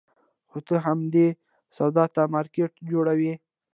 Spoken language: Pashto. خو ته همدې سودا ته مارکېټ جوړوې.